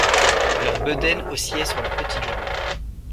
Leurs bedaines oscillaient sur leurs petites jambes.